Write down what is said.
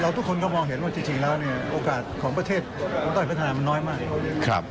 เราทุกคนก็มองเห็นว่าจริงแล้วโอกาสของประเทศต้อยพัฒนามันน้อยมาก